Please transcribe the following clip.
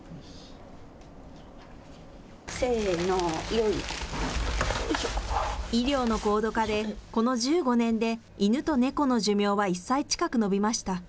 せーの、医療の高度化で、この１５年で、犬と猫の寿命は１歳近く延びました。